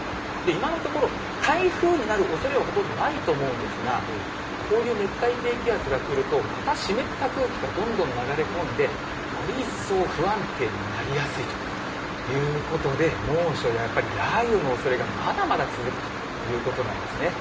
今のところ、台風になるおそれはほとんどないと思うんですが、こういう熱帯低気圧が来ると、また湿った空気がどんどん流れ込んで、より一層不安定になりやすいということで、猛暑や、やっぱり雷雨のおそれがまだまだ続くということなんですね。